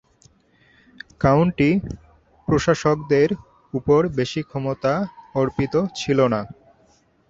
County প্রশাসকদের উপর বেশি ক্ষমতা অর্পিত ছিলনা।